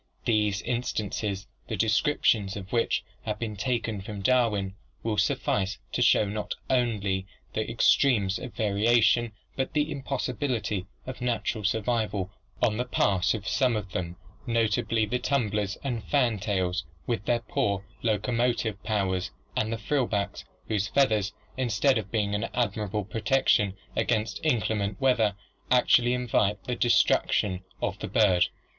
These instances, the descriptions of which have been taken from Darwin, will suffice to show not only the extremes of variation but the impossibility of natural survival on the part of some of them, notably the tumblers and fantails, with their poor locomo tive powers, and the frill backs, whose feathers, instead of being an admirable protection against inclement weather, actually invite the destruction of the bird.